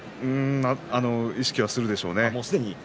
意識はするでしょうね。